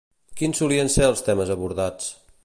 Quins solien ser els temes abordats?